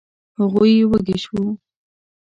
هغوی وږي شوو.